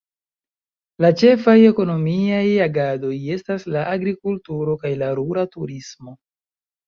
La ĉefaj ekonomiaj agadoj estas la agrikulturo kaj la rura turismo.